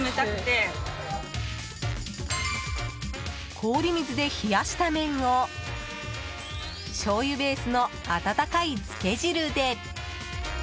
氷水で冷やした麺をしょうゆベースの温かいつけ汁で。